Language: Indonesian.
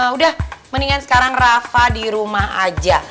udah mendingan sekarang rafa di rumah aja